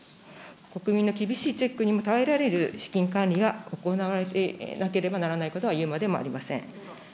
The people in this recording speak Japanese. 国民の厳しいチェックにも耐えられる資金管理が行われてなければならないことはいうまでもありません。